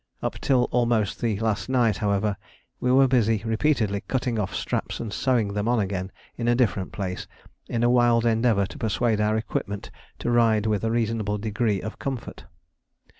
Up till almost the last night, however, we were busy repeatedly cutting off straps and sewing them on again in a different place, in a wild endeavour to persuade our equipment to ride with a reasonable degree of comfort.